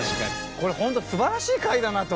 これホント素晴らしい回だなと。